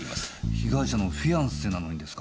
被害者のフィアンセなのにですか？